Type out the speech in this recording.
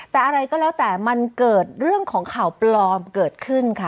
แต่อะไรก็แล้วแต่มันเกิดเรื่องของข่าวปลอมเกิดขึ้นค่ะ